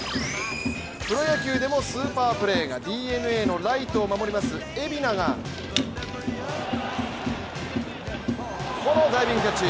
プロ野球でもスーパープレーがＤｅＮＡのライトを守る蝦名がこのダイビングキャッチ。